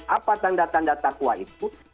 apa tanda tanda takwa itu